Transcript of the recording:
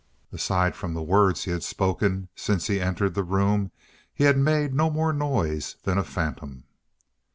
Aside from the words he had spoken, since he entered the room he had made no more noise than a phantom.